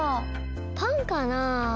パンかなあ？